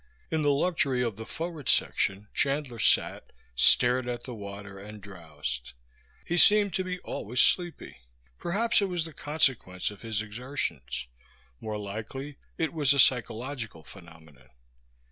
In the luxury of the forward section Chandler sat, stared at the water and drowsed. He seemed to be always sleepy. Perhaps it was the consequence of his exertions; more likely it was a psychological phenomenon.